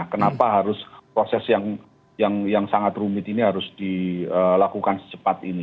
kenapa harus proses yang sangat rumit ini harus dilakukan secepat ini